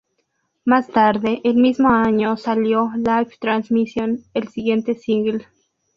Más tarde, el mismo año salió "Life Transmission", el siguiente single.